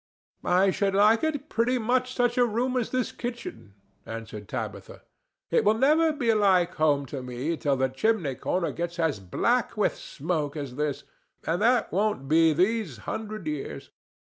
"I should like it pretty much such a room as this kitchen," answered Tabitha. "It will never be like home to me till the chimney corner gets as black with smoke as this, and that won't be these hundred years.